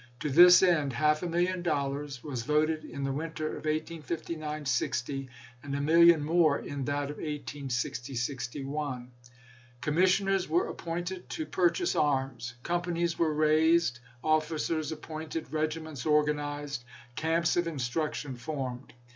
To this end half a million dollars was voted in the winter of 1859 60, and a million more in that of 1860 61. Commissioners were appointed to pur chase arms ; companies were raised, officers ap pointed, regiments organized, camps of instruction formed.